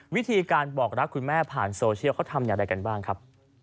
วิธีการบอกรักคุณแม่ผ่านโซเชียลเขาทำอย่างไรกันบ้างครับ